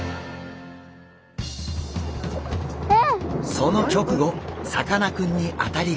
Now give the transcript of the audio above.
その直後さかなクンに当たりが！